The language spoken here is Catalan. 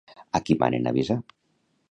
A qui manen avisar?